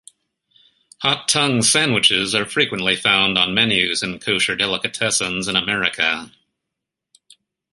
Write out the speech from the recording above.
Hot tongue sandwiches are frequently found on menus in kosher delicatessens in America.